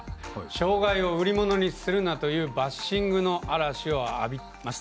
障がいを売りものにするなというバッシングの嵐を浴びます。